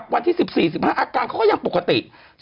วันที่๑๔๑๕อาการเขาก็ยังปกติ